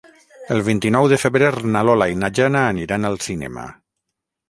El vint-i-nou de febrer na Lola i na Jana aniran al cinema.